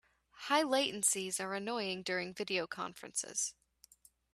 High latencies are annoying during video conferences.